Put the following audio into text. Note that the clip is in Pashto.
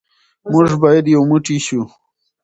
موږ باید یو موټی شو.